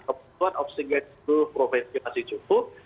kebetulan oksigen itu provinsi masih cukup